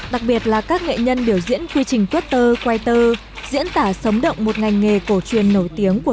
đặc biệt là các nghệ nhân biểu diễn quy trình tuất tơ quay tơ diễn tả sống động một ngành nghề cổ truyền nổi tiếng